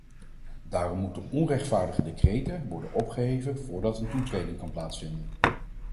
Daarom moeten onrechtvaardige decreten worden opgeheven voordat een toetreding kan plaatsvinden.